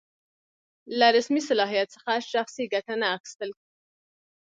له رسمي صلاحیت څخه شخصي ګټه نه اخیستل.